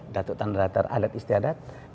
datuk tanda adat istiadat